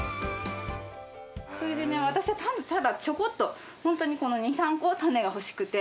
それでね私はただちょこっとホントにこの２３個種が欲しくて。